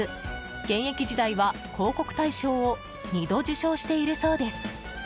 現役時代は、広告大賞を２度受賞しているそうです。